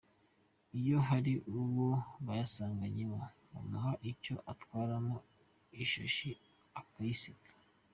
Iyo hari uwo bayasanganye bamuha icyo atwaramo ishashi akayisiga”.